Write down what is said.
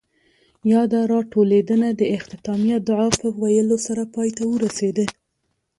ياده راټولېدنه د اختتامیه دعاء پۀ ويلو سره پای ته ورسېده.